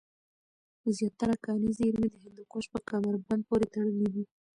زیاتره کاني زېرمي د هندوکش په کمربند پورې تړلې دی